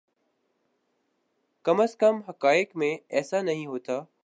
کم از کم حقائق میں ایسا نہیں ہوتا۔